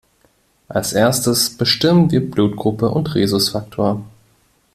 Als Erstes bestimmen wir Blutgruppe und Rhesusfaktor.